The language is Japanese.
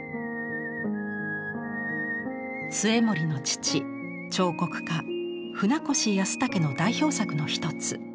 末盛の父彫刻家舟越保武の代表作の一つ。